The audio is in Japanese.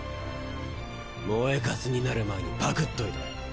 燃えカスになる前にパクっといた。